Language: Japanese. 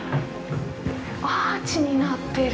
アーチになってる！